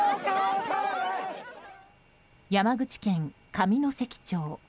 山口県上関町。